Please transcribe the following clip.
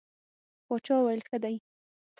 باچا وویل ښه دی.